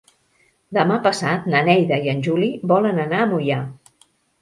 Demà passat na Neida i en Juli volen anar a Moià.